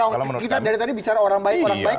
kalau kita dari tadi bicara orang baik orang baik